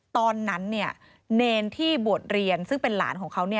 ตอนนั้นเนรที่บวชเรียนซึ่งเป็นหลานของเขา